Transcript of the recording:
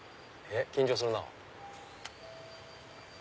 緊張するなぁ。